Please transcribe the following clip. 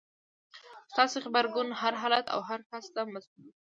ستاسې غبرګون هر حالت او هر کس ته مثبت وي.